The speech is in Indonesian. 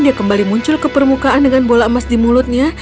dia kembali muncul ke permukaan dengan bola emas di mulutnya